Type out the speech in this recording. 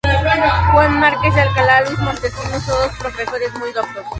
Juan Márquez y en Alcalá a Luis Montesinos, todos profesores muy doctos.